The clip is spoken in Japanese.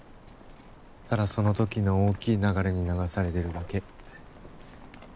ただそのときの大きい流れに流されてるだけ。